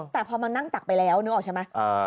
แต่พอมานั่งตักไปแล้วนึกออกใช่ไหม